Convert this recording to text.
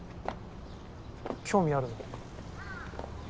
興味あるの？